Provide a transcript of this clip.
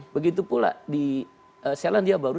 begitu pula di selandia baru